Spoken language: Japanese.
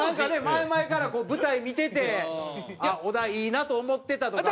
前々からこう舞台見てて小田いいなと思ってたとか。